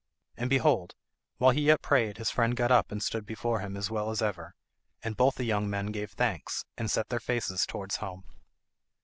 And, behold! while he yet prayed his friend got up and stood before him as well as ever. And both the young men gave thanks, and set their faces towards home.